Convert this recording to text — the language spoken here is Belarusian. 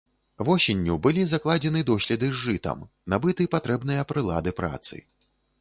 Восенню былі закладзены доследы з жытам, набыты патрэбныя прылады працы.